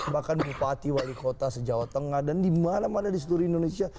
bahkan bupati wali kota sejawa tengah dan dimana mana di seluruh indonesia